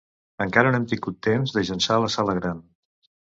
Encara no hem tingut temps d'agençar la sala gran.